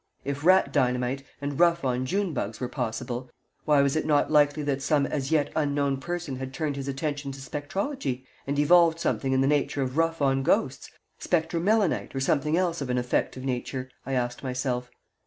If rat dynamite and rough on June bugs were possible, why was it not likely that some as yet unknown person had turned his attention to spectrology, and evolved something in the nature of rough on ghosts, spectremelinite, or something else of an effective nature, I asked myself.